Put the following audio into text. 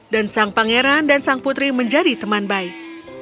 dan sang pangeran dan sang putri menjadi teman baik